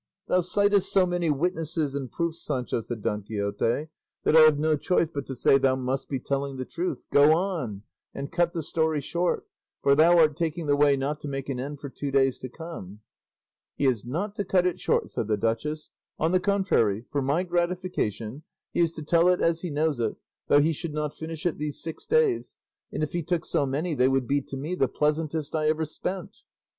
"Thou citest so many witnesses and proofs, Sancho," said Don Quixote, "that I have no choice but to say thou must be telling the truth; go on, and cut the story short, for thou art taking the way not to make an end for two days to come." "He is not to cut it short," said the duchess; "on the contrary, for my gratification, he is to tell it as he knows it, though he should not finish it these six days; and if he took so many they would be to me the pleasantest I ever spent."